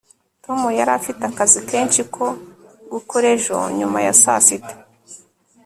tom yari afite akazi kenshi ko gukora ejo nyuma ya saa sita